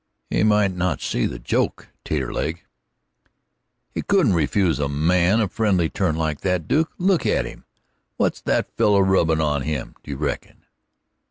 "He might not see the joke, Taterleg." "He couldn't refuse a man a friendly turn like that, Duke. Look at him! What's that feller rubbin' on him, do you reckon?"